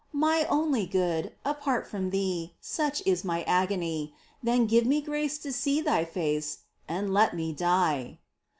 My only Good ! apart from Thee, Such is mine agony — Then give me grace to see Thy face. And let me die